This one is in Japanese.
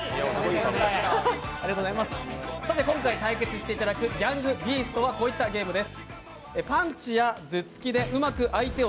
今回対決していただく「ＧａｎｇＢｅａｓｔｓ」はこういったゲームです。